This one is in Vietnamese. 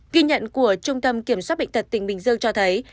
ghi nhận của trung tâm kiểm soát bệnh tật tỉnh bình dương cho thấy